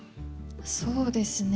そうですね